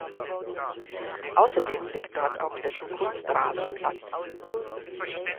Außerdem liegt dort auch dessen Kunstrasenplatz.